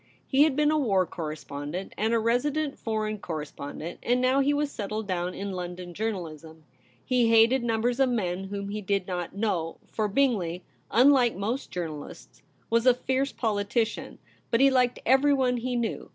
He had been a war correspondent and a resident foreign correspondent, and now he was settled down in London journalism. He hated numbers of men whom he did not know, for Bingley, unlike most journalists, was a fierce politician ; but he liked everyone he knew.